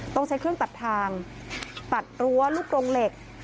ต้องใช้เครื่องตัดทางตัดรั้วลูกกรงเหล็ก